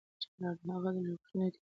هغه د لګښتونو اعتدال ساته.